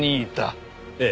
ええ。